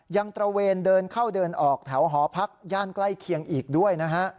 ตระเวนเดินเข้าเดินออกแถวหอพักย่านใกล้เคียงอีกด้วยนะฮะ